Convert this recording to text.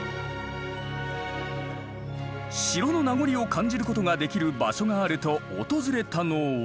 城の名残を感じることができる場所があると訪れたのは。